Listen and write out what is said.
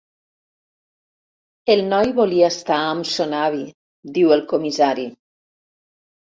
El noi volia estar amb son avi —diu el comissari.